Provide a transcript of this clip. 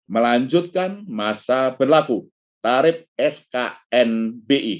melanjutkan masa berlaku tarif sknbi